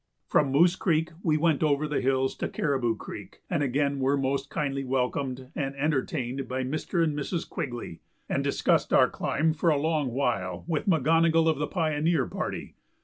From Moose Creek we went over the hills to Caribou Creek and again were most kindly welcomed and entertained by Mr. and Mrs. Quigley, and discussed our climb for a long while with McGonogill of the "pioneer" party.